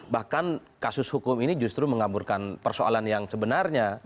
bahkan kasus hukum ini justru mengamburkan persoalan yang sebenarnya